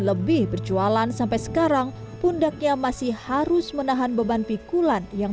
lebih berjualan sampai sekarang pundaknya masih harus menahan beban pikulan yang